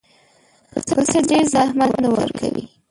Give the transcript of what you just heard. پسه ډېر زحمت نه ورکوي.